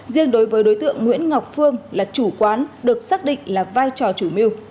riêng đối với đối tượng nguyễn ngọc phương là chủ quán được xác định là vai trò chủ mưu